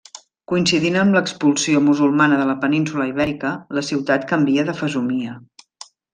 Coincidint amb l'expulsió musulmana de la península Ibèrica, la ciutat canvia de fesomia.